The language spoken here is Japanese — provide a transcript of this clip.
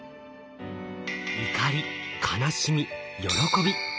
怒り悲しみ喜び。